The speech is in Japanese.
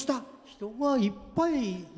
人がいっぱい。